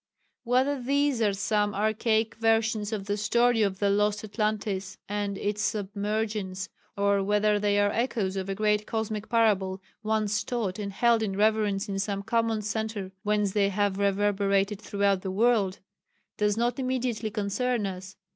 Whether these are some archaic versions of the story of the lost Atlantis and its submergence, or whether they are echoes of a great cosmic parable once taught and held in reverence in some common centre whence they have reverberated throughout the world, does not immediately concern us.